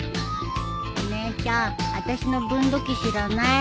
お姉ちゃんあたしの分度器知らない？